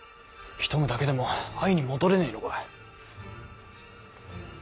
一目だけでも会いに戻れねえのか。